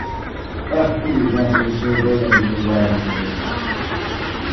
Partout les gens se sauvaient dans les couloirs des maisons.